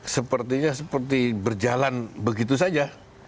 sepertinya seperti berjalan begitu saja